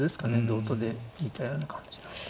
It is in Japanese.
同とで似たような感じなんで。